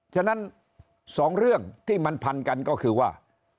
ฉะนั้น๒เรื่องที่มันพันกันก็คือว่า